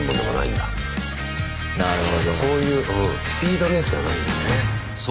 そういうスピードレースじゃないんだね。